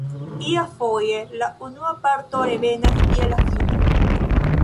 Iafoje la unua parto revenas je la fino.